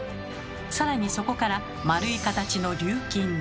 さらにそこから丸い形の「琉金」に。